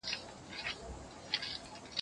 بیا میندل یې په بازار کي قیامتي وه